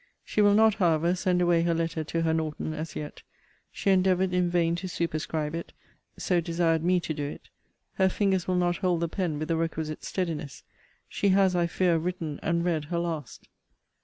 She will not, however, send away her letter to her Norton, as yet. She endeavoured in vain to superscribe it: so desired me to do it. Her fingers will not hold the pen with the requisite steadiness. She has, I fear, written and read her last!